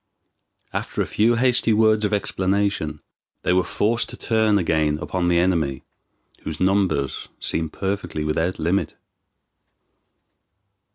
After a few hasty words of explanation they were forced to turn again upon the enemy, whose numbers seemed perfectly without limit.